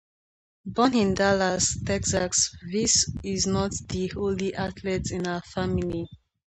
Born in Dallas, Texas, Vise is not the only athlete in her family.